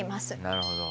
なるほど。